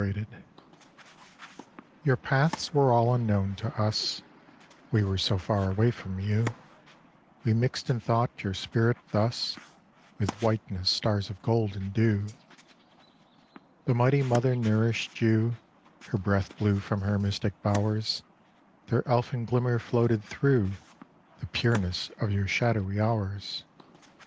22 Cxr YOUR paths were all unknown to us : We were so far away from you : We mixed in thought your spirit thus With whiteness, stars of gold, and dew. The Mighty Mother nourished you ; Her breath blew from her mystic bowers ; Their elfin glimmer floated through The pureness of your shadowy hours.